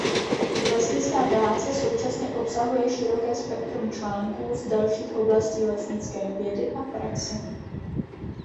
Lesnická práce současně obsahuje široké spektrum článků z dalších oblastí lesnické vědy a praxe.